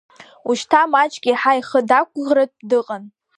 Ушьҭа маҷк еиҳа ихы дақәгәыӷратәы дыҟан.